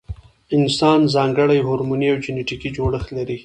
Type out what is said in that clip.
انسان ځانګړی هورموني او جنټیکي جوړښت لري.